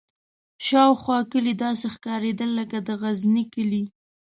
شاوخوا کلي داسې ښکارېدل لکه د غزني کلي.